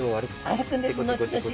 歩くんですのしのし。